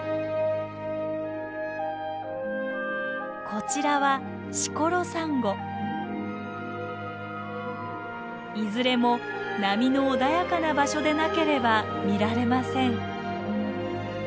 こちらはいずれも波の穏やかな場所でなければ見られません。